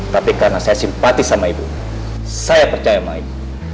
tapi karena saya simpati sama ibu saya percaya main